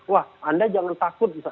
wah anda jangan takut